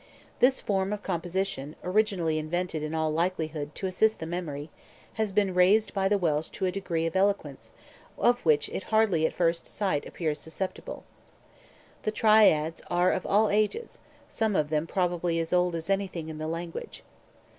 This form of composition, originally invented, in all likelihood, to assist the memory, has been raised by the Welsh to a degree of elegance of which it hardly at first sight appears susceptible. The Triads are of all ages, some of them probably as old as anything in the language.